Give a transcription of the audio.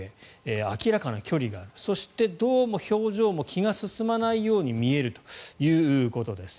明らかな距離があるどうも表情も気が進まないように見えるということです。